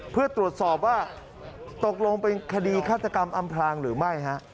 เพื่อตรวจสอบว่าตกลงเป็นคดีฆาตกรรมอำพลางหรือไม่